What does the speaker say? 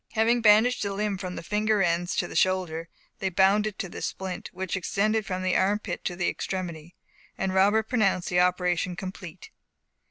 Having bandaged the limb from the finger ends to the shoulder, they bound it to this splint, which extended from the armpit to the extremity, and Robert pronounced the operation complete.